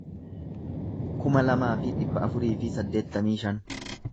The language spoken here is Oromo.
kuma lamaa fi dhibba afurii fi saddeettamii shan